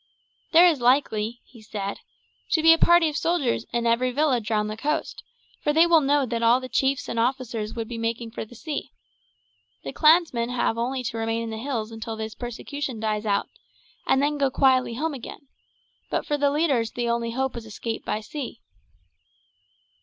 "There is likely," he said, "to be a party of soldiers in every village round the coast, for they will know that all the chiefs and officers would be making for the sea. The clansmen have only to remain in the hills until this persecution dies out, and then go quietly home again; but for the leaders the only hope is escape by sea."